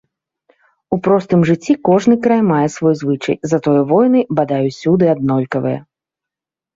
У простым жыцці кожны край мае свой звычай, затое войны, бадай, усюды аднолькавыя.